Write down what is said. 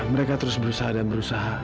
mereka terus berusaha dan berusaha